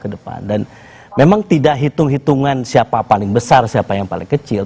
dan memang tidak hitung hitungan siapa paling besar siapa yang paling kecil